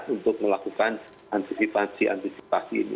untuk melakukan antisipasi antisipasi ini